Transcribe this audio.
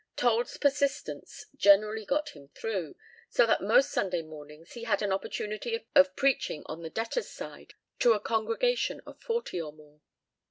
Told's persistence generally got him through, so that most Sunday mornings he had an opportunity of preaching on the debtors' side to a congregation of forty or more.